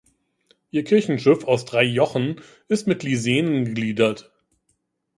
Ihr Kirchenschiff aus drei Jochen ist mit Lisenen gegliedert.